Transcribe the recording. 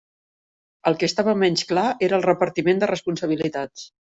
El que estava menys clar era el repartiment de responsabilitats.